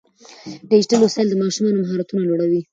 ډیجیټل وسایل د ماشومانو مهارتونه لوړوي.